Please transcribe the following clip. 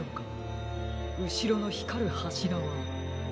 うしろのひかるはしらは。